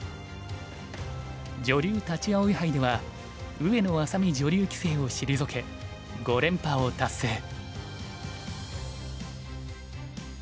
女流立葵杯では上野愛咲美女流棋聖を退け五連覇を達成。